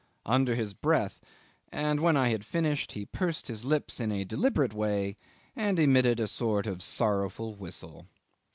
under his breath, and when I had finished he pursed his lips in a deliberate way and emitted a sort of sorrowful whistle.